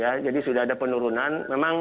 ya jadi sudah ada penurunan memang